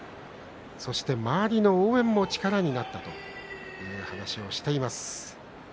そして周りの応援も力になったという話をしています。